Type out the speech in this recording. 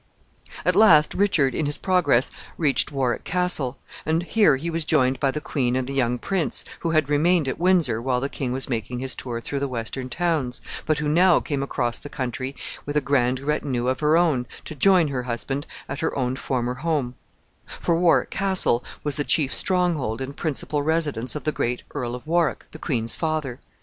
At last, Richard, in his progress, reached Warwick Castle, and here he was joined by the queen and the young prince, who had remained at Windsor while the king was making his tour through the western towns, but who now came across the country with a grand retinue of her own, to join her husband at her own former home; for Warwick Castle was the chief stronghold and principal residence of the great Earl of Warwick, the queen's father.